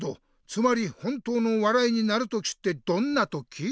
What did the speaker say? つまり本当の笑いになる時ってどんな時？